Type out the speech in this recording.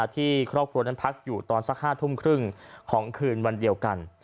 ที่ครอบครัวนั้นพักอยู่ตอนสัก๕ทุ่มครึ่งของคืนวันเดียวกัน